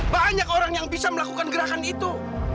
banyak orang yang bisa melakukan gerakan itu